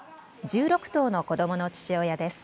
１６頭の子どもの父親です。